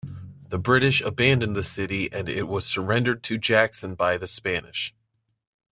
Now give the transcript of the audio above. The British abandoned the city and it was surrendered to Jackson by the Spanish.